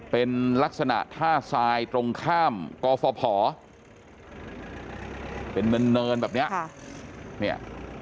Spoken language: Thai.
เป็นลักษณะท่าซายตรงข้ามกฝเป็นเมินเนินแบบนี้